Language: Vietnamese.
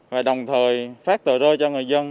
và đồng thời phát tờ rơi cho người dân